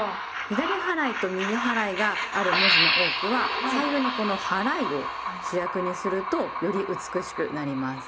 左払いと右払いがある文字の多くは左右のこの「はらい」を主役にするとより美しくなります。